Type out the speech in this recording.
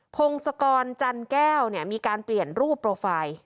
พงศกรจันแก้วมีการเปลี่ยนรูปโปรไฟล์